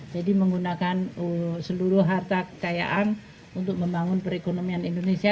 jadi menggunakan seluruh harta kekayaan untuk membangun perekonomian indonesia